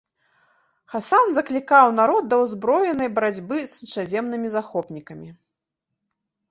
Хасан заклікаў народ да ўзброенай барацьбы з іншаземнымі захопнікамі.